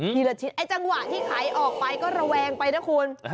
ละชิ้นไอ้จังหวะที่ไขออกไปก็ระแวงไปนะคุณ